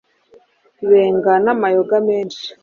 benga n' amayoga menshi